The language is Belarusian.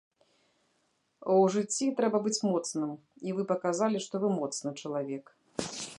У жыцці трэба быць моцным, і вы паказалі, што вы моцны чалавек.